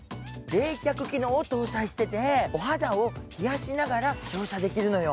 冷却機能を搭載しててお肌を冷やしながら照射できるのよ。